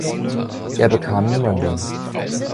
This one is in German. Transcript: Er bekam niemanden.